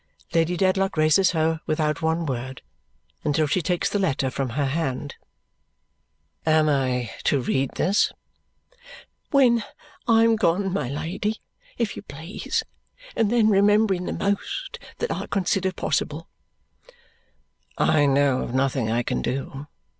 Lady Dedlock raises her without one word, until she takes the letter from her hand. "Am I to read this?" "When I am gone, my Lady, if you please, and then remembering the most that I consider possible." "I know of nothing I can do.